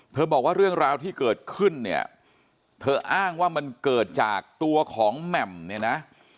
บอกว่าเรื่องราวที่เกิดขึ้นเนี่ยเธออ้างว่ามันเกิดจากตัวของแหม่มเนี่ยนะ